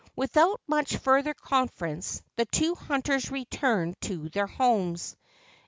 Without much further conference the two hunters returned to their homes.